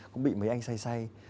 cũng bị mấy anh say say